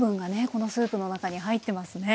このスープの中に入ってますね。